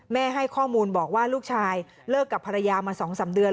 ให้ข้อมูลบอกว่าลูกชายเลิกกับภรรยามา๒๓เดือน